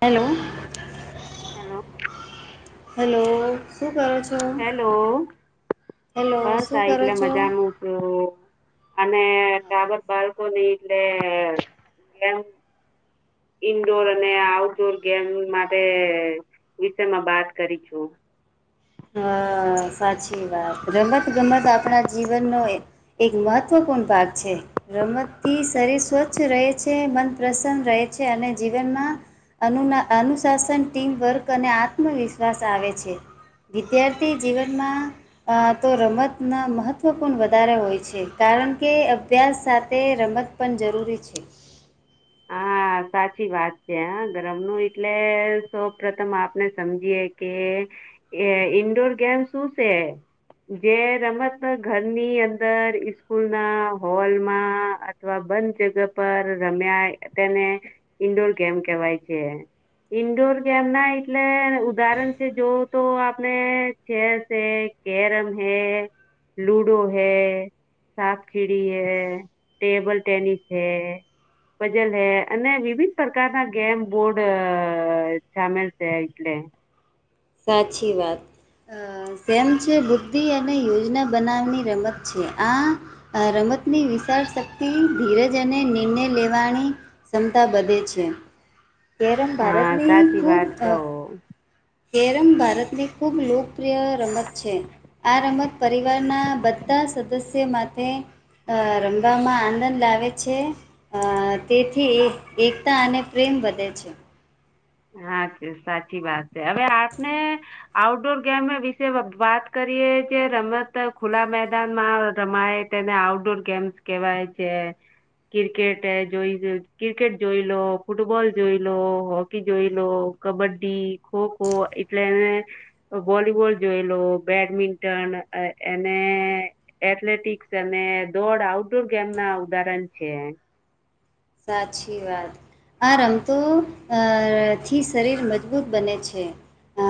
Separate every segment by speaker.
Speaker 1: Hello
Speaker 2: hello
Speaker 1: hello
Speaker 2: hello
Speaker 1: hello
Speaker 2: બસ
Speaker 1: શું
Speaker 2: આ
Speaker 1: કરો
Speaker 2: એટલે
Speaker 1: છો
Speaker 2: મજાનું છે અને દાવત [unintelligible] નટલે એ ઇન્ડોર અને આઉટડોર ગેમ માટે વિષય માં વાત કરી છું
Speaker 1: હા સાચી વાત રમત ગમત આપણા જીવનનો એક મહત્વ પૂર્ણ ભાગ છે રમતથી શરીર સ્વચ્છ રહે છે મન પ્રસન્ન રહે છે અને જીવન ના અનુ અનુશાસન ટીમ વર્ક અને આત્મવિશ્વાસ આવે છે વિદ્યાર્થી જીવનમાં તો રમતના મહત્ત્વપણ વધારે હોય છે કારણ કારણ કે અભ્યાસ સાથે રમત પણ જરૂરી છે
Speaker 2: હા હા સાચી વાત છે હ ગર્મ નું એટલે સૌપ્રથમ આપને સમજીયે કે એ ઇન્ડોર ગેમ શું છે જે રમત ઘરની અંદર ઈસ્કૂલ ના હોલમાં અથવા બંધ જગ્યા પર રમ્યા તેને ઈન્ડોર ગેમ કેવાય છે ઈન્ડોર ગેમ ના એટલે ઉદાહરણ છે જોવ તો આપણે છે કેરમ હૈ લુડો હૈ સાપ ખીડી હે ટેબલ ટેનિસ હે પછી અને વિવિધ પ્રકાર ના ગેમ બોર્ડ સામેલ છે એટલે [inaudible]
Speaker 1: સાચી વાત અ સેમ છે બુદ્ધિ અને યોજના બનાવની રમત છે આ રમત રમતની વિશાળશક્તિ ધીરજ અને નિર્ણય લેવાની ક્ષમતા વધે છે કેરમ
Speaker 2: હા
Speaker 1: ભારતમાં હ
Speaker 2: સાચી
Speaker 1: ખૂબ
Speaker 2: વાત કહો
Speaker 1: થ કેરમ ભારતની ખૂબ લોકપ્રિય રમત છે આ રમત પરિવારના બધા ના સદસ્ય માટે અ રમવામાં આનંદ લાવે છે અ તેથી એકતા અને પ્રેમ બ તે છે
Speaker 2: હા છે સાચી વાત છે હવે આપણે આઉટડોર ગેમ વિશે વાત કરી જે રમત ખુલ્લા મેદાનમાં રમાય તેને આઉટડોર ગેમ્સ કેવાય છે ક્રિકેટ જોઈ ક્રિકેટ જોઈ લો ફૂટબોલ જોઈ લો જોઈ લો કબડ્ડી ખોખો એટલે એને વોલીબોલ જોઈ લો બેડમિન્ટન એને એથ્લેટિક્સ અને દોડ આઉટડોર ગેમ ના ઉદાહરણ છે
Speaker 1: સાચી વાત આ રમતો અ થી શરીર મજબૂત બને છે અ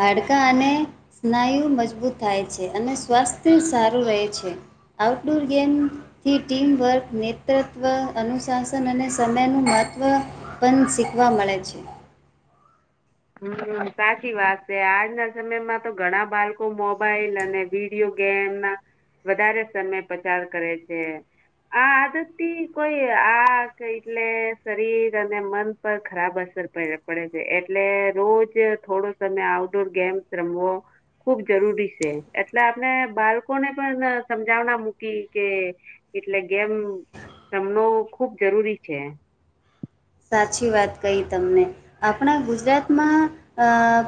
Speaker 1: હાડકા અને સ્નાયુ મજબૂત થાય છે અને સ્વાસ્થ્ય સારું રહે છે આઉટડોર ગેમથી ટીમવર્ક નેતૃત્વ અનુસ શાસન અને સમયનું મહત્ત્વ પણન શીખવા મળે છે
Speaker 2: હમ સાચી વાત છે આજના સમયમાં તો ઘણા બાળકો મોબાઈલ અને વિડીયો મ વધારે સમય પચાર કરે છે આ આદતી કોઈ આખ એટલે શરીર અને મન પર ખરાબ હશે અર પડે છે એટલે રોજ થોડો સમય આઉટડોર ગેમ્સ રમવો ખુબ જરૂરી છે એટલે આપણે બાળકોને પણ સમજાવના મૂકી કે એટલે ગેમ રમનો ખુબ જરૂરી છે
Speaker 1: સાચી વાત કહી તમને આપણા ગુજરાતમાં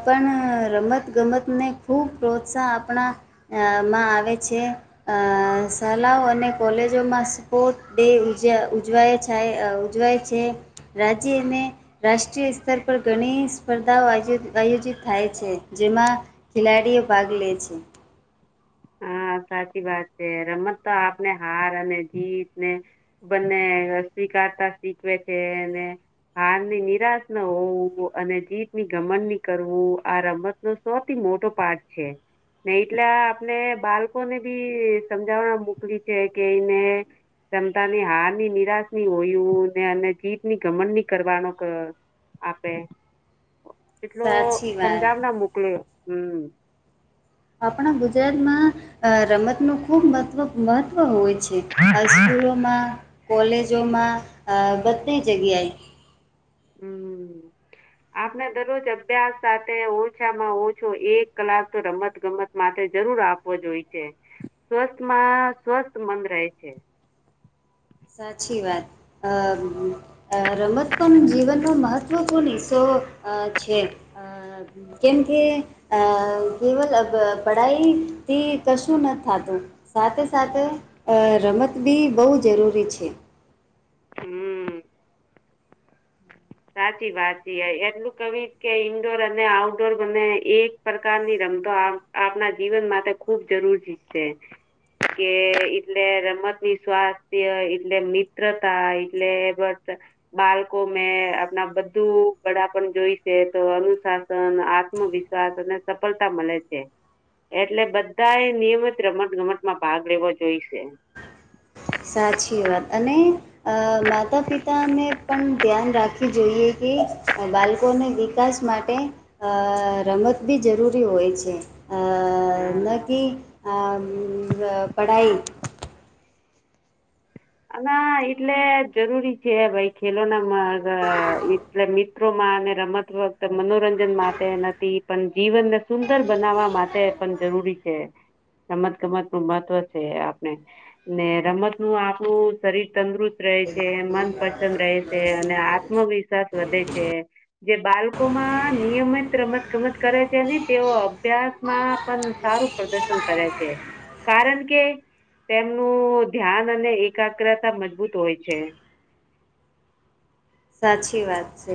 Speaker 1: પણ રમત રમત ગમતને ખૂબ પ્રોત્સાહ આપણામાં આવે છે શાળાઓ અને કોલેજોમાં સ્પોર્ટ ડે ઉજ ઉજવાય છે ઉજવાય છે રાજ્ય અને રાષ્ટ્રીય સ્તર પર ઘણી સ્પર્ધાઓ આયોજિત થાય છે જેમાં ખેલાડીઓ ભાગ લે છે
Speaker 2: હા સાચી વાત છે રમત તો આપને હાર અને જીત ને બંને સ્વીકારતા શીખવે છે હારની નિરાશ ન હોવું અને જીત ની ગમન ની કરવું આ રમત નો સૌથી મોટો પાઠ છે ને એટલે આ બાળકોને બી સમજાવવા મોકલી છે કે એઈને ક્ષમતાની હારની નિરાશ ની હોય ને અને જીત ની ગમણ ની કરવાનો આપપે એટલો
Speaker 1: સાચી વાત
Speaker 2: સમજાવ ના મોકલ હમ
Speaker 1: આપણા ગુજરાતમાં અ રમત નું ખુબ મહવ મહત્વ હોય છે આ સ્કૂલોમાં કોલેજોમાં બધી જગ્યાએ
Speaker 2: હમ આપણે દરરોજ અભ્યાસ સાથે ઓછામાં ઓછો એક કલાક તો રમત ગમત માટે જરૂર આપવો જોય છે સ્વસ્થમાં સ્વસ્થ મંદ રહે છે
Speaker 1: સાચી વાત અ રમત પણ જીવનનો મહત્વપૂર્ણ હો અ છે કેમ કે કેવલ પઢાઈથી કશું ન સાથે સાથે રમત બી બહુ જરૂરી છે.
Speaker 2: હમ સાચી વાત છે એટલું કવી કે ઈન્ડોર અને તો આપના જીવન માટે ખુબ જરૂરી જ છે. કે એટલે રમતની સ્વાસ્થ્ય એટલે મિત્રતા એટલે બ બાળકો મે ના બધું વડા પણ જોઈશે તો અનુશાસન આત્મવિશ્વાસ છે એટલે બધા એ નિયમિત રમત ગમતમાં ભાગ લેવો જોઈશે
Speaker 1: સાચી વાત અને અ માતા પિતા ને પણ ધ્યાન રાખવી જોઈએ કે બાળકોને વિકાસ માટે રમત બી જરૂરી હોય છે. ન
Speaker 2: હા
Speaker 1: કે પઢાઈ
Speaker 2: અને એટલે જરૂરી છે ભાઈ ખેલોનાગ એટલે મિત્રોમાં રમતત મનોરંજન માટે નથી પણ જીવનને સુંદર બનાવવા માટે પણ જ રમત ગમત નું મહત્વ છે આપણે રમત નું આપું શરીર તંદુરસ્ત રહે છે મન પ્રસન્ન રહે છે અને આત્મવિશ્વાસ વધે છે. જે બાળકો માં નિયમિત રમત ગમત કરે છે તેઓ અભ્યાસ માં પણ સારું પ્રદર્શન કરે છે કારણ કે તેમનું ધ્યાન અને એકાગ્રતા મજબૂત હોય છે
Speaker 1: સાછી વાત છે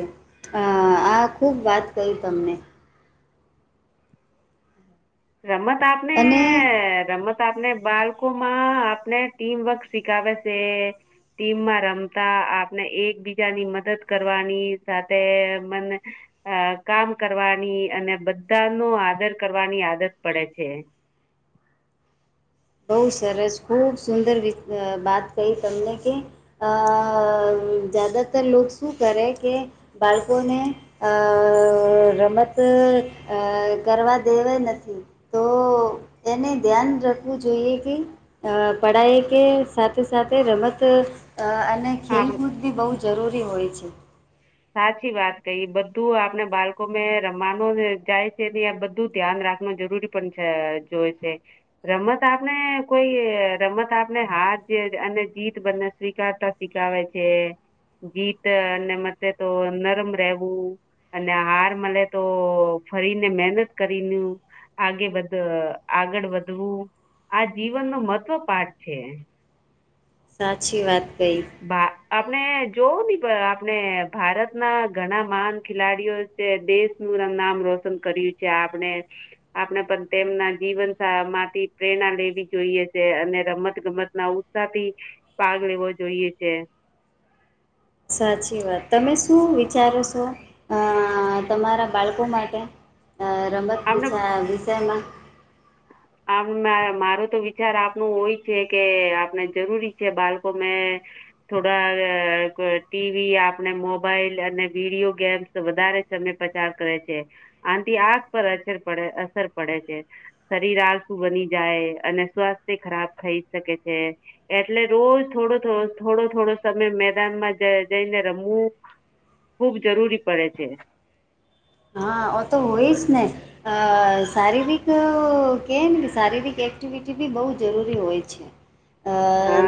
Speaker 1: આ ખૂબ વાત કઈ તમને
Speaker 2: રમત આપ
Speaker 1: અને
Speaker 2: આપને બાળકો માં આપને ટીમવર્ક શીખાવે છે ટીમમાં રમતા આપણે એકબીજાની મદદ કરવાની સાથે મને અ કામ કરવાની અને બધા ન આદર કરવાની આદત પડે છે
Speaker 1: બહુ સરસ. જદાતર લો શું કરે કે બાળકોને રમત કરવા દેવા નથી જોઈએ કે પડાય કે સાથે સાથે રમત અને અને
Speaker 2: આપ
Speaker 1: ખેલકૂદ બી બહુ જરૂરી હોય છે.
Speaker 2: સાચી વાત કઈ બધું આપને બાળકો મે રમનું જાય છે આ બધું ધ્યાન રાખ જરૂરી જો છે રમત આપને કોઈ રમત આપને હ આજ અને જીત બને સ્વીકારતા સ્વીખાવે છે જીત અને મ તો નરમ રહેવું. અને હાર મળે તો ફરીને મહેનત કરીને આગે બધ આગળ વધવું આ જીવનનો મહત્વ પાઠ છે.
Speaker 1: સાચી વાત. કહી
Speaker 2: બા- આપણે જોવું આપણે ભારત ના ઘણા મહાન ખેલાડીઓ છે દેશ નામ રોશન કર્યું છે આપણે આપણે પણ તેમના જીવન માંથી પ્રેરણા લેવી જોઈએ છે અને રમત ગમત ના ઉત્સાહ થી ભાગ લેવો જોઈએ. જોયું છે.
Speaker 1: સાચી વાત તમે શું વિચારો છો અ તમારા બાળકો માટે રમત
Speaker 2: આપણે
Speaker 1: વિછા વિષયમાં
Speaker 2: આમ મારો તો વિચાર થોડા ટીવી આપણે મોબાઈલ અને વિડીયો ગેમ્સ વધારે ને પચાર કરે છે આથી આખ પર પડે અસર પડે છે. શરીર શું બની જાય અને સ્વાસ્થ્ય ખરાબ થઈ શકે છે. એટલે રોજ થોડો થોડો-થોડો સમય મેદાનમાં જઈને રમવું. ખૂબ જરૂરી પડે છે.
Speaker 1: હા, ઓ તો હોય જ ને. અ શારીરિક કે ને કે શારીરિક એ એક્ટિવિટી બી બહુ જરૂરી હોય છે.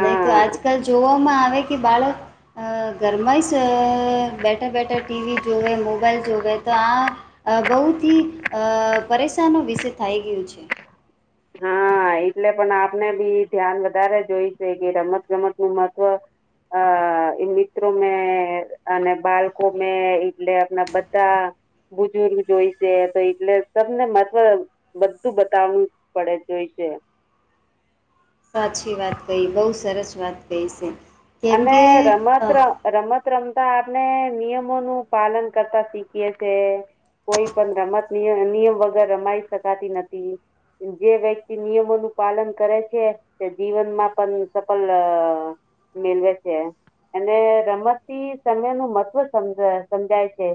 Speaker 1: નહીં તો, આજકાલ જોવામાં આવે કે બાળક ઘરમાંય બેઠા-બેઠા ટીવી જોવે, મોબાઈલ જોવે. તો આ બહુથી પરેશાનો વિશે થઈ ગયું છે.
Speaker 2: હા. હા, એટલે પણ આપને બી ધ્યાન વધારે જોય છે કે રમત- ગમત નું મહત્વ અ એ મિત્રો મે અને બાળકો મે એટલે આપણા બધા બુજુર્ગ જોઈશે તો, એટલે તને માન બધું બતાવવું. પડે જોઈ છે.
Speaker 1: સાચી વાત કહી. બહુ સરસ વાત કહી છે. કેમ
Speaker 2: અને
Speaker 1: કે અ,
Speaker 2: રમત-રમત. રમતા આપણે નિયમો નું પાલન કરતા શીખાય છે. કોઈ પણ રમતય નિયમ વગર રમાઈ શકાતી નથી. જે વ્યક્તિ નિયમોનું પાલન કરે છે, તે જીવનમાં પણ સફળ મેલવે છે. અને રમત સમય નું મહત્વ સમ સમજાય છે.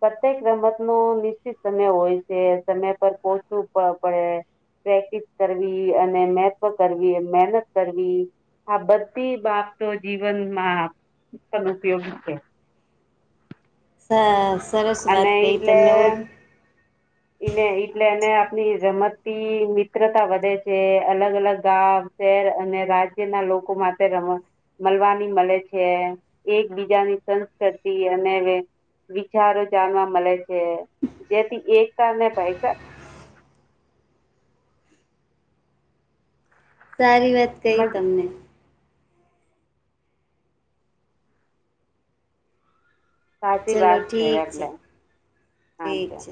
Speaker 2: પ્રતેક રમત નો નિશ્ચિત સમય હોય છે સમય પર પહોચવું પડે. પ્રેક્ટિસ કરવી અને મહેવ કરવી મહેનત કરવી. આ બધી વાત તો જીવનમાં પણ ઉપયોગ
Speaker 1: સ સરસ વાત કહી તમે. ઓ.
Speaker 2: એને એટલે, એને આપની રમતી મિત્રતા વધે છે, અલગ અલગ ગામ શહેર અને રાજ્યના લોકો માટે રમ મળવાની મળે છે. એકબીજાની સંસ્કૃતિ અને વિચારો જાણવા મળે છે, જેથી એક તને પાઈસા
Speaker 1: સારી વાત કહી તમે.
Speaker 2: સાચી
Speaker 1: ચલો
Speaker 2: વાત છે.
Speaker 1: ઠીક
Speaker 2: આપલે
Speaker 1: ઠીક
Speaker 2: અચ્છા
Speaker 1: છે